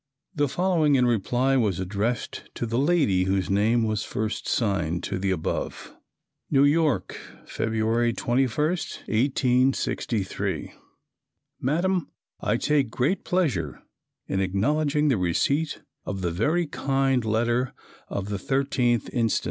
The following in reply was addressed to the lady whose name was first signed to the above: "New York, Feb. 21, 1863. Madam I take great pleasure in acknowledging the receipt of the very kind letter of the 13th inst.